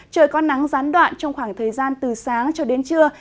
trời có nắng gián đoạn trong khoảng thời gian từ sáng cho đến trưa